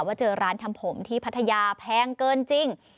ว่าเจอร้านทำผมที่พัทยาแพงเกินจริง